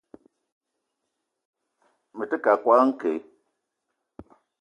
Me te keu a koala nke.